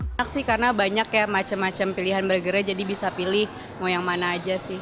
enak sih karena banyak ya macam macam pilihan burgernya jadi bisa pilih mau yang mana aja sih